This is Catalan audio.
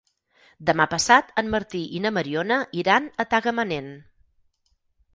Demà passat en Martí i na Mariona iran a Tagamanent.